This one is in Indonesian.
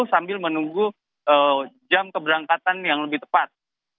sambil menunggu jam keberangkatan yang lebih tepat